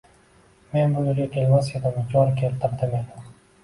Men bu yerga kelmas edim, yor keltirdi meni